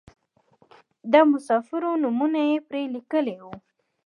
د مسافرو نومونه یې پرې لیکلي وو.